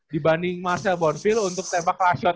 dibanding marcel bonville untuk tembak lashor